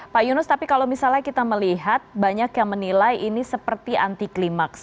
pak yunus tapi kalau misalnya kita melihat banyak yang menilai ini seperti anti klimaks